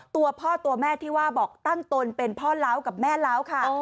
ตัวพ่อตัวแม่ที่ว่าบอกตั้งตนเป็นพ่อเล้ากับแม่เล้าค่ะ